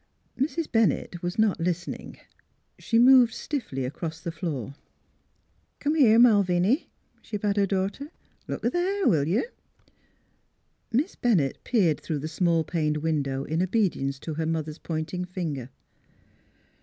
" Mrs. Bennett was not listening. She moved stiffly across the floor. " Come here, Malviny," she bade her daugh ter. " Look a' there, will you !" Miss Bennett peered through the small paned window in obedience to her mother's pointing finger.